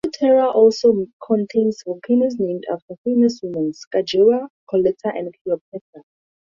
Ishtar Terra also contains volcanoes named after famous women: Sacajawea, Colette, and Cleopatra.